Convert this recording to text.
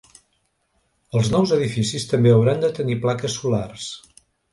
Els nous edificis també hauran de tenir plaques solars.